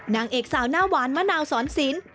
นางเอกสาวหน้าหวานมะนาวสอนศิลป์